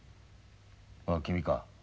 ああ君か。